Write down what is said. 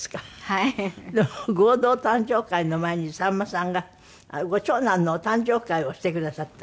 でも合同誕生会の前にさんまさんがご長男のお誕生会をしてくださった。